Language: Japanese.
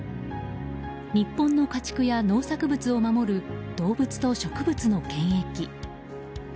日本の家畜や農産物を守る動物と植物の検疫。